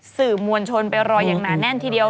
สื่อมวลชนไปรออย่างหนาแน่นทีเดียว